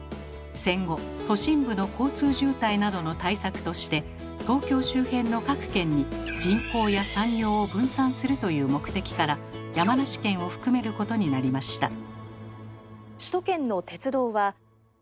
戦後都心部の交通渋滞などの対策として東京周辺の各県に人口や産業を分散するという目的から山梨県を含めることになりました。